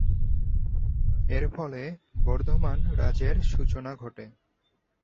এর ফলে বর্ধমান রাজের সূচনা ঘটে।